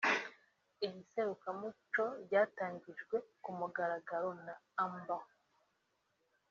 iri serukiramuco ryatangijwe ku mugaragaro na Amb